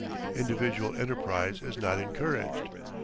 Individual enterprise is not encouraged.